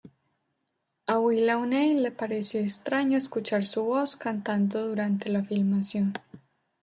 A Willa O'Neill le pareció extraño escuchar su voz cantando durante la filmación.